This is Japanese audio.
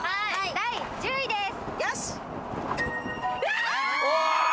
第１０位です。